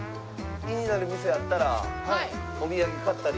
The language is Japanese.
気になる店あったらお土産買ったり。